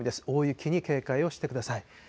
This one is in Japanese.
大雪に警戒をしてください。